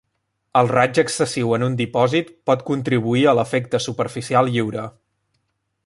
El raig excessiu en un dipòsit pot contribuir a l'efecte superficial lliure.